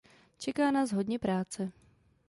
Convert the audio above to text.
Čeká nás hodně práce.